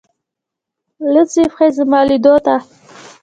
لڅي پښې زما لیدولو ته